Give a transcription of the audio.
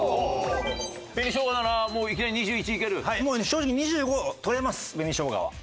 正直２５を取れます紅しょうがは。